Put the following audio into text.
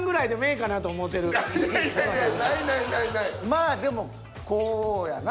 まあでもこうやな。